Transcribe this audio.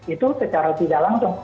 itu secara tidak langsung